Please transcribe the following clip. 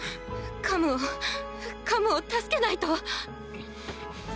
カムをカムを助けないと！